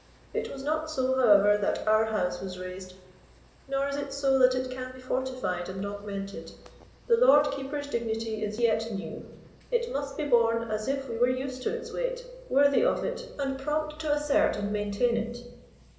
It was not so, however, that our house was raised, nor is it so that it can be fortified and augmented. The Lord Keeper's dignity is yet new; it must be borne as if we were used to its weight, worthy of it, and prompt to assert and maintain it.